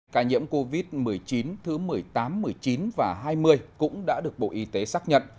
cả nhiễm covid một mươi chín thứ một mươi tám một mươi chín và hai mươi cũng đã được bộ y tế xác nhận